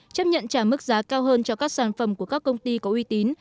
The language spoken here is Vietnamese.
chấp nhận trả mức giá cao hơn cho các sản phẩm của các công ty có uy tín